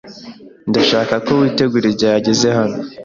Ndashaka ko witegura igihe ageze hano.